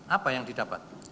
apa yang didapat